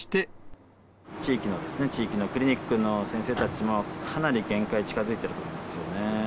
地域のクリニックの先生たちも、かなり限界、近づいてると思うんですよね。